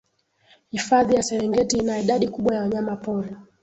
hifadhi ya serengeti ina idadi kubwa ya wanyamapori